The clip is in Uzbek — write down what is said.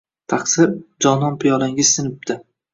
Тaqsir, jonon piyolangiz sinibdi